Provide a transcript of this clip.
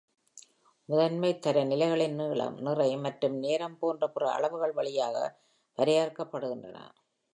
முதன்மை தரநிலைகளின் நீளம், நிறை மற்றும் நேரம் போன்ற பிற அளவுகள் வழியாக வரையறுக்கப்படுகின்றன